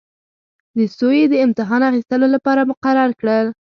د سویې د امتحان اخیستلو لپاره مقرر کړل.